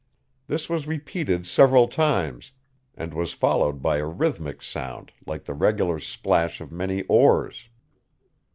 This was repeated several times, and was followed by a rhythmic sound like the regular splash of many oars.